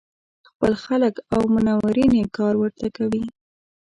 خپل خلک او منورین یې کار ورته کوي.